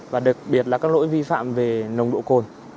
và đặc biệt là các lỗi vi phạm về nồng độ cồn